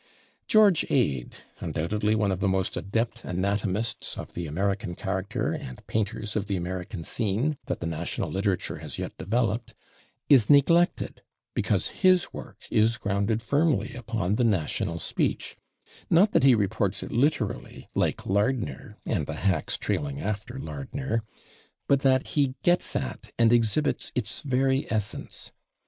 George Ade, undoubtedly one of the most adept anatomists of the American character and painters of the American scene that the national literature has yet developed, is neglected because his work is grounded firmly upon the national speech not that he reports it literally, like Lardner and the hacks trailing after Lardner, but that he gets at and exhibits its very essence.